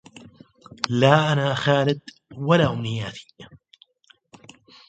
لا أنا خالد ولا أمنياتي